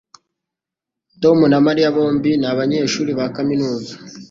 Tom na Mariya bombi ni abanyeshuri ba kaminuza